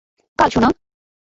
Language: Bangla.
কাল, সোনা।